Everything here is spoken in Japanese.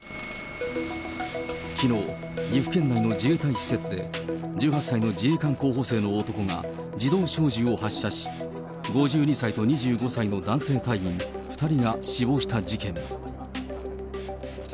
きのう、岐阜県の自衛隊施設で、１８歳の自衛官候補生の男が自動小銃を発射し、５２歳と２５歳の男性隊員２人が死亡した事件。